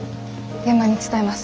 現場に伝えます。